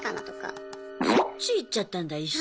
そっち行っちゃったんだ意識。